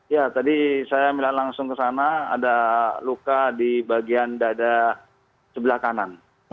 ya tadi saya melihat langsung ke sana ada luka di bagian dada sebelah kanan